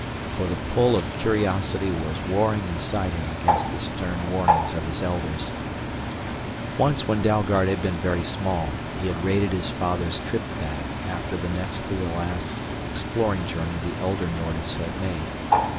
For the pull of curiosity was warring inside him against the stern warnings of his Elders. Once when Dalgard had been very small he had raided his father's trip bag after the next to the last exploring journey the elder Nordis had made.